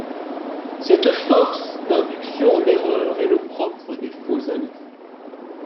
Cette force d'induction en erreur est le propre des faux-amis.